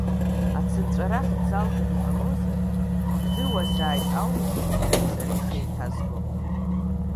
Ацынҵәарах дзалган иҟалозар, ижәдыруазааит аурыс бызшәахь сара ишеиҭазго!